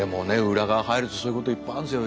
裏側入るとそういうこといっぱいあるんですよ。